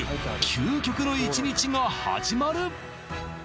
究極の１日が始まる！